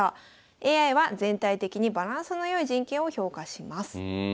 ＡＩは全体的にバランスの良い陣形を評価します。